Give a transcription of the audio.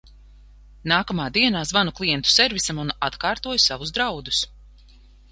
Nākamā dienā zvanu klientu servisam un atkārtoju savus draudus.